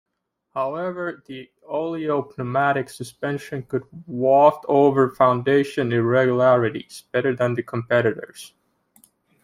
However, the oleo-pneumatic suspension could "waft over foundation irregularities" better than the competitors.